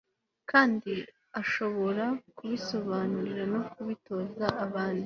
kandi ashobora kubisobanura no kubitoza abandi